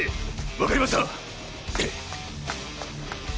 わかりました！